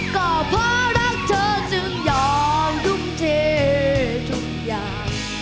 ก็เพราะรักเธอจึงยอมทุ่มเททุกอย่าง